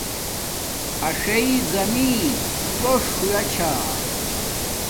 اݽݵ زمین گوݽ ہویا چھا